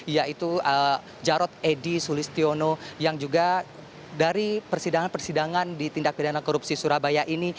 yaitu jarod edy sulistiono yang juga dari persidangan persidangan di tindak pidana korupsi surabaya ini